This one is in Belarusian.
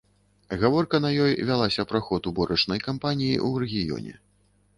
Гаворка на ёй вялася пра ход уборачнай кампаніі ў рэгіёне.